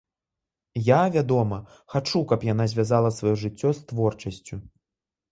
Я, вядома, хачу, каб яна звязала сваё жыццё з творчасцю.